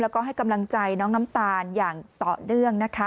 แล้วก็ให้กำลังใจน้องน้ำตาลอย่างต่อเนื่องนะคะ